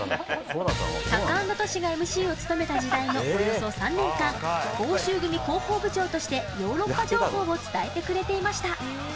タカアンドトシがＭＣを務めた時代のおよそ３年間、欧州組広報部長としてヨーロッパ情報を伝えてくれていました。